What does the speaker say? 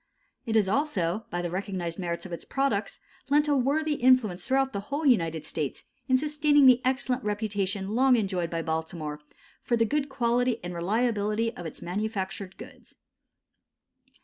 It has also, by the recognized merits of its products, lent a worthy influence throughout the whole United States in sustaining the excellent reputation long enjoyed by Baltimore for the good quality and reliability of its manufactured goods.